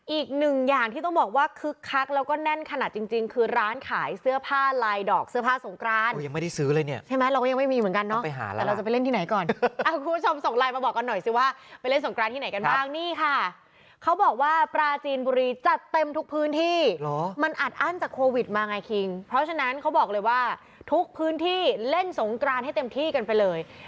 อีกหนึ่งอย่างที่ต้องบอกว่าคึกคักแล้วก็แน่นขนาดจริงจริงคือร้านขายเสื้อผ้าลายดอกเสื้อผ้าสงกรานยังไม่ได้ซื้อเลยเนี่ยใช่ไหมเรายังไม่มีเหมือนกันเนาะไปหาเราจะไปเล่นที่ไหนก่อนอ่ะคุณผู้ชมส่งไลน์มาบอกกันหน่อยสิว่าไปเล่นสงกรานที่ไหนกันบ้างนี่ค่ะเขาบอกว่าปลาจีนบุรีจัดเต็มทุกพื้นที่เหรอ